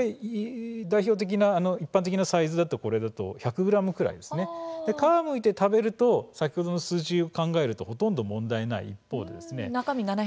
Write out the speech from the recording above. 代表的な一般的なサイズだと１００ｇぐらい皮をむいて食べると先ほどの数字を考えるとほとんど問題ないです。